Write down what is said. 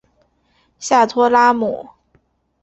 下托拉姆。